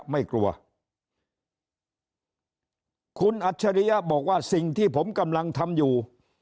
ไม่กลัวคุณอัจฉริยะบอกว่าสิ่งที่ผมกำลังทำอยู่